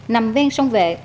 nằm ven sông vệ